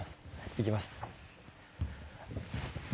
いきます。